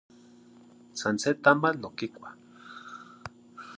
San se tamal n oquicuah.